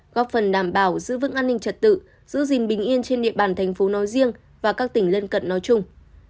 góp phần đảm bảo giữ vững an ninh trật tự giữ gìn bình yên trên địa bàn thành phố nói riêng và các tỉnh lân cận nói chung